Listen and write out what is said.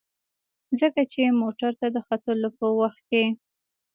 ځکه چې موټر ته د ختلو په وخت کې.